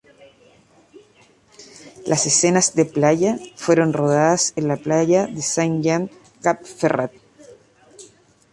Las escenas de playa fueron rodadas en la playa de Saint-Jean-Cap-Ferrat.